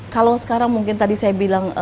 kalau sekarang mungkin tadi saya bilang